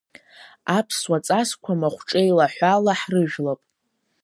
Аԥсуа ҵасқәа махәҿеилаҳәала ҳрыжәлап!